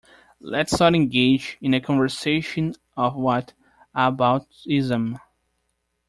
Let's not engage in a conversion of what about-ism.